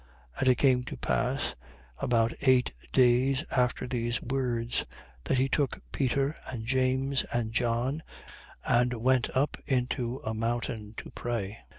9:28. And it came to pass, about eight days after these words, that he took Peter and James and John and went up into a mountain to pray.